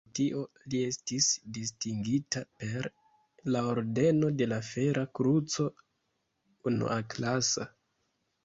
Por tio li estis distingita per la ordeno de la Fera Kruco unuaklasa.